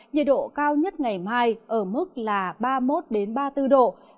nhiệt độ cao nhất ngày mai ở mức là ba mươi một ba mươi bốn độ